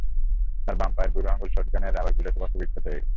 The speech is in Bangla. তাঁর বাম পায়ের বুড়ো আঙুল শটগানের রাবার বুলেটে ক্ষতবিক্ষত হয়ে গেছে।